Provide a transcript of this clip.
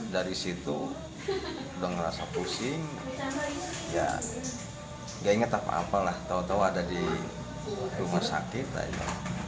dari situ udah ngerasa pusing ya gak inget apa apalah tau tau ada di rumah sakit aja